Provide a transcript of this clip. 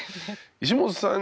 石本さん